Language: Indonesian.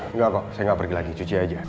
enggak kok saya nggak pergi lagi cuci aja